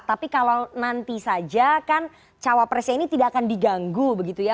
tapi kalau nanti saja kan cawa presiden ini tidak akan diganggu begitu saja